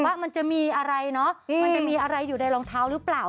ว่ามันจะมีอะไรเนอะมันจะมีอะไรอยู่ในรองเท้าหรือเปล่า